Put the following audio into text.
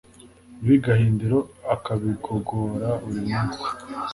Yuhi Gahindiro akabigogora burimunsi